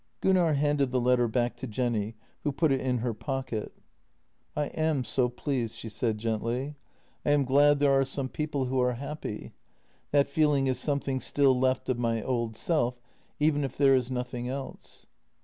Gunnar handed the letter back to Jenny, who put it in her pocket. " I am so pleased," she said gently. " I am glad there are JENNY 274 some people who are happy. That feeling is something still left of my old self — even if there is nothing else."